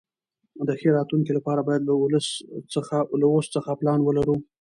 د ښې راتلونکي لپاره باید له اوس څخه پلان ولرو.